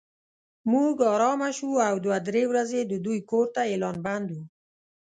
موږ ارامه شوو او دوه درې ورځې د دوی کور ته اعلان بند و.